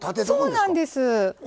そうなんです。